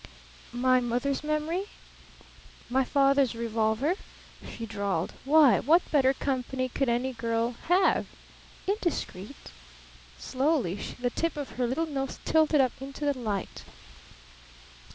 "My mother's memory? My father's revolver?" she drawled. "Why, what better company could any girl have? Indiscreet?" Slowly the tip of her little nose tilted up into the light.